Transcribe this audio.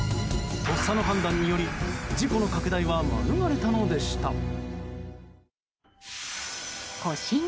とっさの判断により事故の拡大は免れたのでした。